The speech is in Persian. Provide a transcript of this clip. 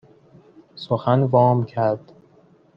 سخن وام کرد